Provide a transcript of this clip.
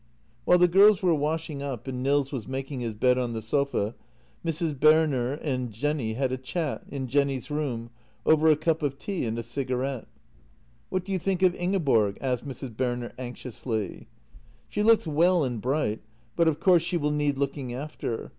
While the girls were washing up and Nils was making his bed on the sofa, Mrs. Berner and Jenny had a chat in Jenny's room over a cup of tea and a cigarette. " What do you think of Ingeborg? " asked Mrs. Berner anx iously. " She looks well and bright, but, of course, she will need looking after.